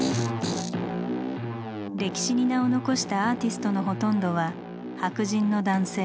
歴史に名を残したアーティストのほとんどは白人の男性。